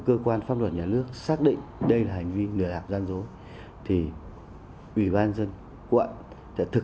cơ quan pháp luật nhà nước xác định đây là hành vi người hạp gian dối thì ủy ban dân quận đã thực